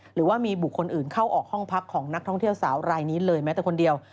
หรือว่ามีบุคคลอื่นเข้าออกห้องพักของนักท่องเที่ยวสาวรายนี้เลยแม้แต่คนเดียว